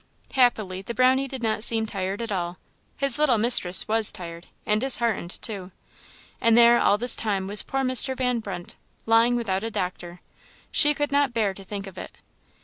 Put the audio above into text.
Happily, the Brownie did not seem tired at all; his little mistress was tired, and disheartened too. And there, all this time, was poor Mr. Van Brunt, lying without a doctor! She could not bear to think of it.